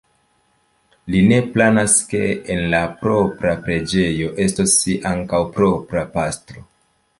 Li ne planas, ke en la propra preĝejo estos ankaŭ propra pastro.